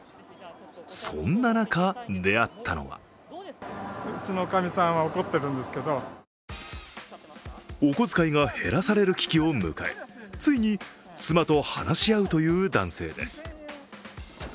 そんな中、出会ったのはお小遣いが減らされる危機を迎えついに妻と話し合うという男性です。